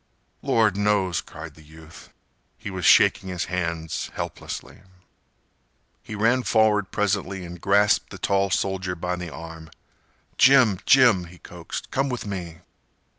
"Lord knows!" cried the youth. He was shaking his hands helplessly. He ran forward presently and grasped the tall soldier by the arm. "Jim! Jim!" he coaxed, "come with me."